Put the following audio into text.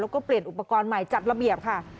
แล้วก็เปลี่ยนอุปกรณ์ใหม่จัดระเบียบค่ะ